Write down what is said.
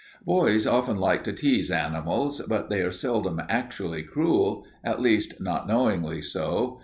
Boys often like to tease animals, but they are seldom actually cruel, at least not knowingly so.